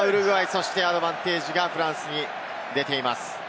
そしてアドバンテージがフランスに出ています。